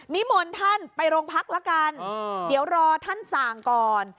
นิมนต์ท่านไปโรงพักละกันเดี๋ยวรอท่านสั่งก่อน